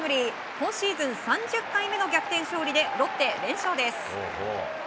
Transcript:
今シーズン３０回目の逆転勝利でロッテ連勝です。